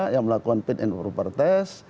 yang melakukan fit and proper test